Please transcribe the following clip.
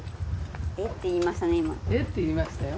えっ！って言いましたね